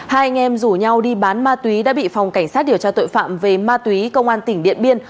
hai anh em rủ nhau đi bán mặt tuy đã bị phòng cảnh sát điều tra tội phạm về mặt tuy công an tỉnh điện biên